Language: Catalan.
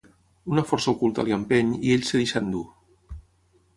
Una força oculta l'hi empeny i ell es deixa endur.